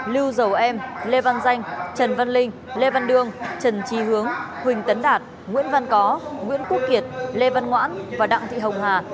lưu dầu em lê văn danh trần văn linh lê văn đương trần trí hướng huỳnh tấn đạt nguyễn văn có nguyễn quốc kiệt lê văn ngoãn và đặng thị hồng hà